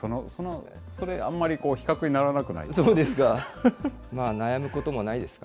それはあんまり比較にならないんじゃないですか。